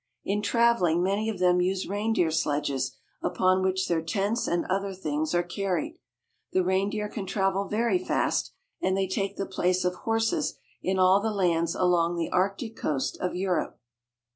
In traveling many of them use reindeer sledges upon which their tents and other things are carried. The reindeer can travel very fast, and they take the place of horses in all the lands along the Arctic coast of Europe.